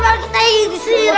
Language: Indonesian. malah kita yang disiram